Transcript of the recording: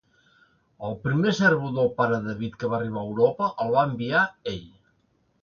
El primer cérvol del Pare David que va arribar a Europa el va enviar ell.